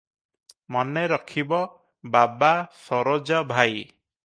ମନେ ରଖିବ ବାବା ସରୋଜ ଭାଇ